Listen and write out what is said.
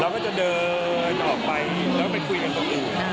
ก็จะเดินออกไปแล้วไปคุยกันตรงอื่น